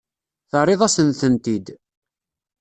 Terriḍ-asen-tent-id.